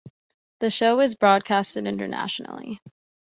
The show is broadcast internationally.